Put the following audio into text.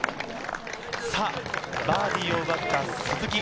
バーディーを奪った鈴木。